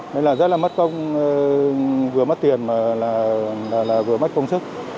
nên là rất là mất công vừa mất tiền mà là vừa mất công sức